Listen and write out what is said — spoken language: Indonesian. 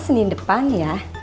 senin depan ya